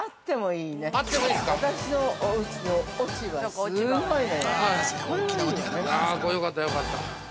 ◆いや、よかったよかった。